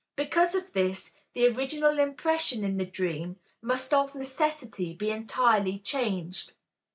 Because of this, the original impression in the dream must of necessity be entirely changed.